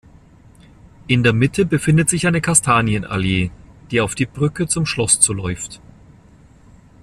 In der Mitte befindet sich eine Kastanienallee, die auf die Brücke zum Schloss zuläuft.